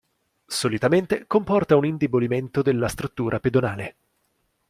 Solitamente comporta un indebolimento della struttura pedonale.